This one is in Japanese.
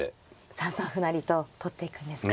３三歩成と取っていくんですか。